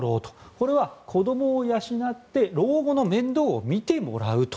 これは子どもを養って老後の面倒を見てもらうと。